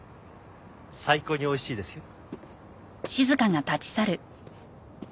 最高においしいですよ。